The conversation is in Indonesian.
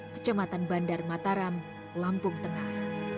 kecamatan bandar mataram lampung tengah